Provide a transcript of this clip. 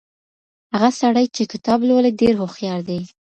هغه سړی چي کتاب لولي ډېر هوښیار دی.